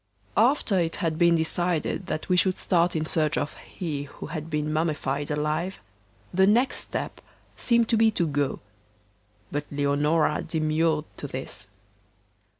After it had been decided that we should start in search of 'He who had been mummified alive,' the next step seemed to be to go. But Leonora demurred to this.